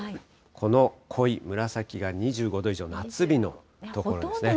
この濃い紫が２５度以上、夏日の所なんですね。